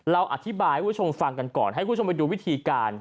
เราอธิบายให้คุณผู้ชมฟังกันก่อน